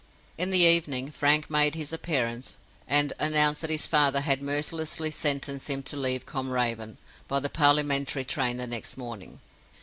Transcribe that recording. In the evening, Frank made his appearance, and announced that his father had mercilessly sentenced him to leave Combe Raven by the parliamentary train the next morning.